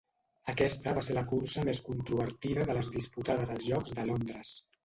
Aquesta va ser la cursa més controvertida de les disputades als Jocs de Londres.